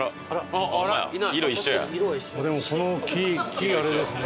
でもこの木あれですね。